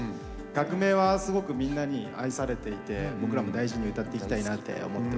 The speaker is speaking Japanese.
「革命」はすごくみんなに愛されていて僕らも大事に歌っていきたいなって思ってます。